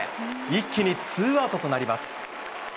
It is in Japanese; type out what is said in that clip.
一気にツーアウトとなります。